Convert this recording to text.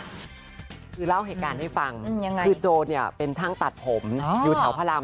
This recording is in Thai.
คือเล่าเหตุการณ์ให้ฟังคือโจรเนี่ยเป็นช่างตัดผมอยู่แถวพระราม